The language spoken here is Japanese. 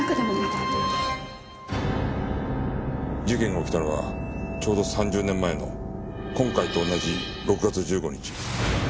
事件が起きたのはちょうど３０年前の今回と同じ６月１５日。